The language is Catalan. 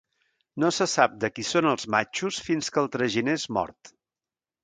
No se sap de qui són els matxos fins que el traginer és mort.